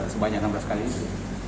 sebanyak enam belas kali isi